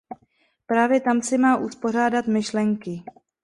Právě tam si má uspořádat myšlenky.